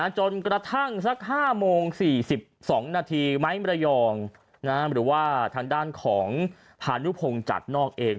จนกระทั่งสัก๕โมง๔๒นาทีไม้มรยองหรือว่าทางด้านของพานุพงศ์จัดนอกเอง